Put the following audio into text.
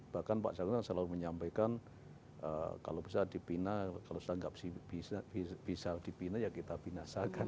bahkan pak jaksagung selalu menyampaikan kalau bisa dipina kalau bisa dipina ya kita binasakan